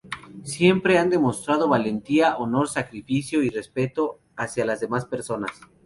Siempre han demostrado valentía, honor, sacrificio y respeto hacia las demás personas.